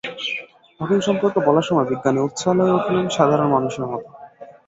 Hawking সম্পর্কে বলার সময় বিজ্ঞানী উচ্ছল হয়ে উঠলেন সাধারণ মানুষের মতো।